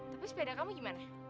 tapi sepeda kamu gimana